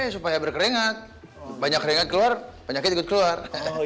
supaya berkeringat banyak keluar keluar